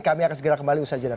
kami akan segera kembali usaha jeda